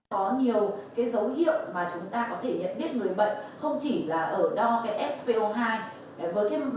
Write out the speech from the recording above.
có nhiều dấu hiệu mà chúng ta có thể nhận biết người bệnh không chỉ là ở đo spo hai